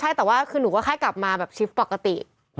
หนุ่มก็ค่อยกลับมาแบบชิฟปกติ